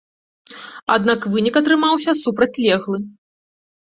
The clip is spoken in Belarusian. Аднак вынік атрымаўся супрацьлеглы.